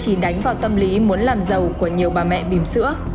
người này chỉ đánh vào tâm lý muốn làm giàu của nhiều bà mẹ bìm sữa